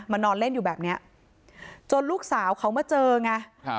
นอนเล่นอยู่แบบเนี้ยจนลูกสาวเขามาเจอไง